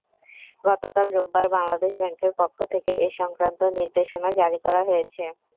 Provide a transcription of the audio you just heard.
গতকাল রোববার বাংলাদেশ ব্যাংকের পক্ষ থেকে এ-সংক্রান্ত নির্দেশনা জারি করা হয়েছে।